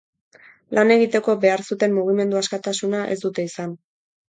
Lan egiteko behar zuten mugimendu askatasuna ez dute izan.